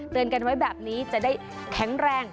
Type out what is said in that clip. กันไว้แบบนี้จะได้แข็งแรง